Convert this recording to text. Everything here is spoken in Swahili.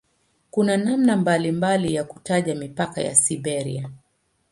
Kuna namna mbalimbali ya kutaja mipaka ya "Siberia".